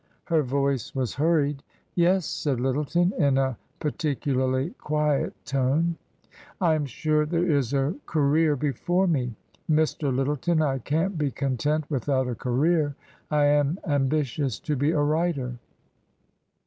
Her voice was hurried. " Yes," said Lyttleton, in a particularly quiet tone. " I am sure there is a career before me. Mr. Lyttleton, I can't be content without a career. I am ambitious to be a writer."